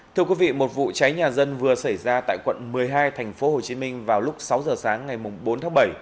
thưa quý vị một vụ cháy nhà dân vừa xảy ra tại quận một mươi hai tp hcm vào lúc sáu giờ sáng ngày bốn tháng bảy